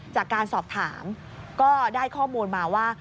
จากการสอบถามก็ได้ข้อมูลมาว่า